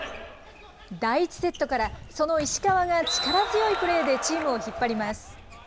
第１セットから、その石川が力強いプレーでチームを引っ張ります。